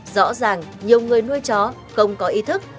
rõ ràng nhiều người nuôi chó không có ý thức